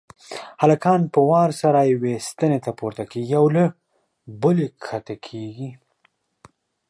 هلکان په وار سره یوې ستنې ته پورته کېږي او له بلې کښته کېږي.